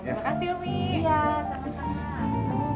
terima kasih umi